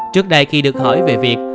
trước đây khi được hỏi về việc